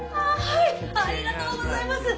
はい！